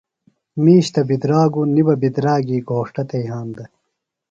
مِیش تہ بِدراگوۡ نیۡ بہ بِدراگی گھوݜٹہ تھےۡ یھاندہ۔